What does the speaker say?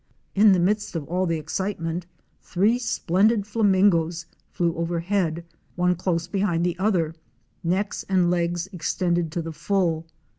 In the midst of all the excitement three splendid Flamingos " flew overhead, one close behind the other, necks and legs extended to the full.